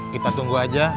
kita tunggu aja